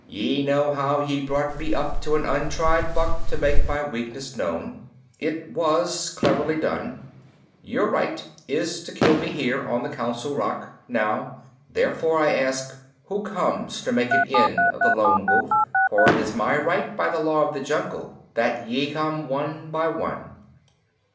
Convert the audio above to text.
Ye know how ye brought me up to an untried buck to make my weakness known. It was cleverly done. Your right is to kill me here on the Council Rock, now. Therefore, I ask, who comes to make an end of the Lone Wolf? For it is my right, by the Law of the Jungle, that ye come one by one."